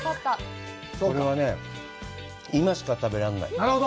これはね、今しか食べられない。